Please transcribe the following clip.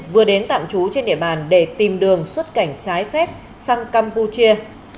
vừa đến tạm trú trên địa bàn để tìm đường xuất cảnh trái phép sang campuchia